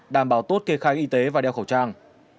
đảm bảo tốt kê khai y tế và đeo khẩu trang